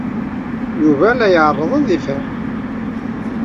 Yuba la iɛerreḍ ad yefhem.